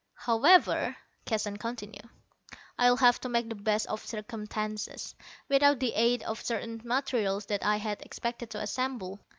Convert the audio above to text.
"However," Keston continued, "I'll have to make the best of circumstances, without the aid of certain materials that I had expected to assemble.